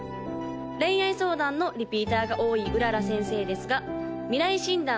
恋愛相談のリピーターが多い麗先生ですが未来診断